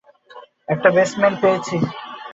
একটা বেসমেন্ট পেয়েছি।